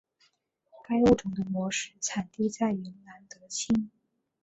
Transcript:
该物种的模式产地在云南德钦。